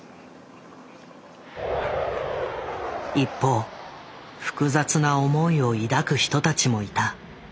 一方複雑な思いを抱く人たちもいた。